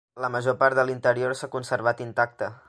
La major part de l'interior s'ha conservat intacte.